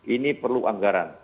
ini perlu anggaran